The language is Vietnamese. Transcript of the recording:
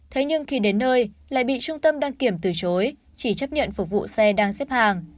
thế nhưng khi đến nơi lại bị trung tâm đăng kiểm từ chối chỉ chấp nhận phục vụ xe đang xếp hàng